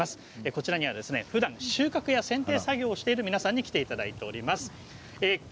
こちらには、ふだん収穫やせん定作業している皆さんに来ていただいております。